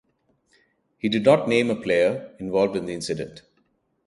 He did not name a player involved in the incident.